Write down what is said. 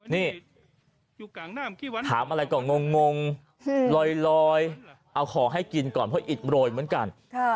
นี่ถามอะไรก็งงลอยเอาของให้กินก่อนเพราะอิดโรยเหมือนกัน